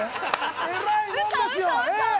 えらいもんですよ。